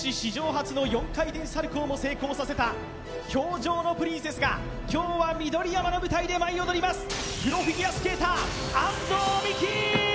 初の４回転サルコーも成功させた氷上のプリンセスが今日は緑山の舞台で舞い踊りますプロフィギュアスケーター安藤美姫！